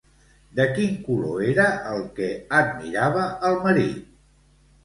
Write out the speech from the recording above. De quin color era el que admirava el marit?